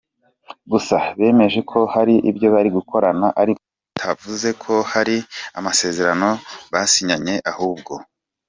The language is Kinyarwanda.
Gusa bemeje ko hari ibyo bari gukorana ariko bitavuze ko hari amasezerano basinyanye ahubwo.